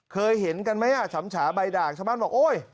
เคยเห็นกันไหมอ่ะฉ่ำฉาใบด่างชาวบ้านบอกโอ๊ย